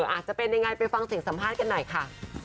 อาจจะเป็นยังไงไปฟังเสียงสัมภาษณ์กันหน่อยค่ะ